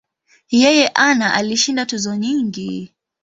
Yeye ana alishinda tuzo nyingi.